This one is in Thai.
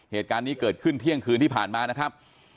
เหตุการณ์นี้เกิดขึ้นเที่ยงคืนที่ผ่านมานะครับ